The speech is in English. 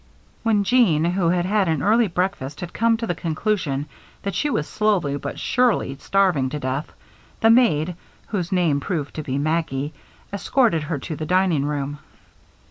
When Jeanne, who had had an early breakfast, had come to the conclusion that she was slowly but surely starving to death, the maid, whose name proved to be Maggie, escorted her to the dining room.